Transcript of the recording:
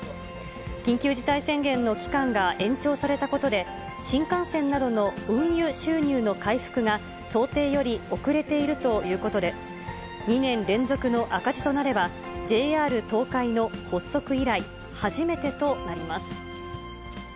緊急事態宣言の期間が延長されたことで、新幹線などの運輸収入の回復が想定より遅れているということで、２年連続の赤字となれば、ＪＲ東海の発足以来、初めてとなります。